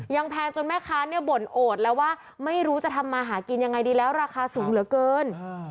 แพงจนแม่ค้าเนี่ยบ่นโอดแล้วว่าไม่รู้จะทำมาหากินยังไงดีแล้วราคาสูงเหลือเกิน